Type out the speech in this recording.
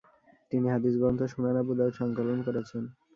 তিনি হাদিস গ্রন্থ সুনান আবু দাউদ সংকলন করেছেন।